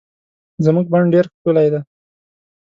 زمونږ بڼ ډير ښکلي دي